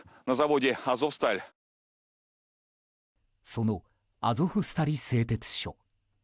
そのアゾフスタリ製鉄所。